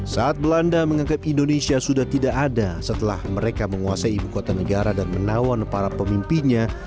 saat belanda menganggap indonesia sudah tidak ada setelah mereka menguasai ibu kota negara dan menawan para pemimpinnya